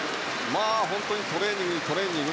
本当にトレーニング、トレーニング。